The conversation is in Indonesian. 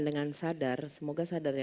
dengan sadar semoga sadar ya